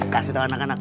kasih tau anak anak